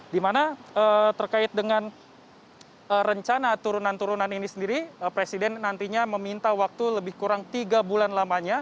dimana terkait dengan rencana turunan turunan ini sendiri presiden nantinya meminta waktu lebih kurang tiga bulan lamanya